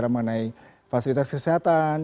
bicara mengenai fasilitas kesehatan